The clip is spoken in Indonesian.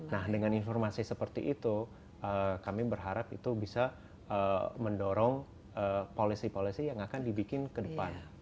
nah dengan informasi seperti itu kami berharap itu bisa mendorong polisi polisi yang akan dibikin ke depan